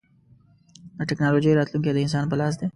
د ټکنالوجۍ راتلونکی د انسان په لاس دی.